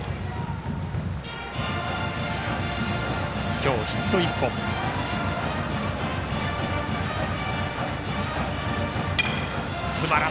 今日ヒット１本、石川。